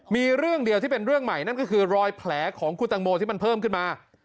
มีเรื่องเดียวที่เป็นเรื่องใหม่นั่นก็คือรอยแผลของคุณตังโมที่มันเพิ่มขึ้นมา